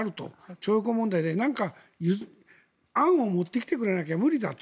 徴用工問題で合うものを持ってきてくれないと無理だと。